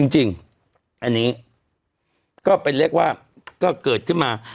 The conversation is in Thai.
จริงอันนี้ก็เป็นเรียกว่าก็เกิดขึ้นมา